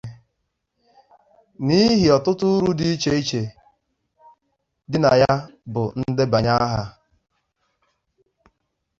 n'ihi ọtụtụ uru dị iche iche dị na ya bụ ndebanye aha.